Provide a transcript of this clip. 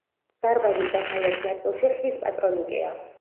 დარბაზის დასავლეთ ნაწილში ხის პატრონიკეა.